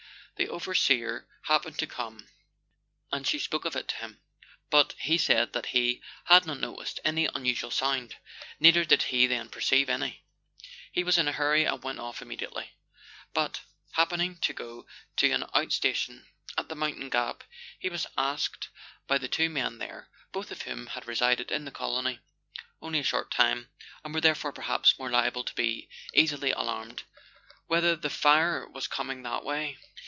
The overseer happened to come, and she spoke of it to him, but he said that he had not noticed any unusual sound ; neither did he then perceive any. He was in a hurry and went off immediately ; but, happen ing to go to the out station at the Mountain Gap, he was asked by the two men there, both of whom had resided in the colony only a short time, and were therefore perhaps more liable to be easily alarmed, whether the fire was coming that way.